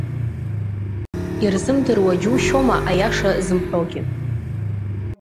Ирзымдыруа џьушьома аиаша зымҳәогьы.